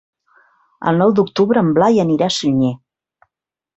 El nou d'octubre en Blai anirà a Sunyer.